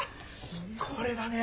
これだね！